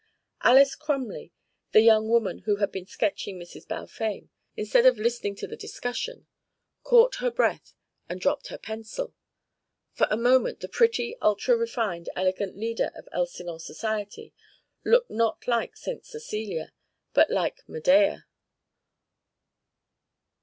Alys Crumley, the young woman who had been sketching Mrs. Balfame instead of listening to the discussion, caught her breath and dropped her pencil. For the moment the pretty, ultra refined, elegant leader of Elsinore society looked not like St. Cecelia but like Medea.